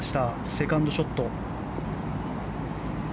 セカンドショット。